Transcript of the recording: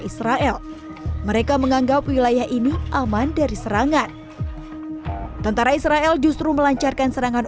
israel mereka menganggap wilayah ini aman dari serangan tentara israel justru melancarkan serangan